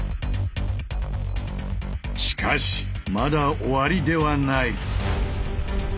しかしまだ終わりではない。